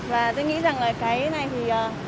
và tôi nghĩ rằng là cái này thì